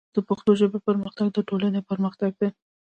د پښتو ژبې پرمختګ د ټولنې پرمختګ دی.